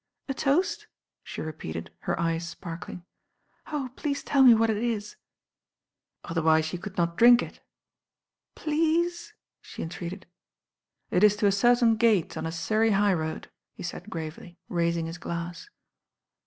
'* "A toast?" she repeated, her eyes sparkling. "Oh, please tell me what it is." THE DANGER LINE S09 '•Otherwise you could not drink it." "Plcececase," she entreated. "It is to a certain gate on a Surrey high road," he said gravely, raising his glass.